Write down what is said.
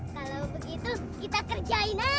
kalau begitu kita kerjain aja